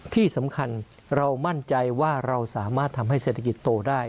ที่สำคัญเรามั่นใจว่าเราสามารถทำให้เศรษฐกิจโตได้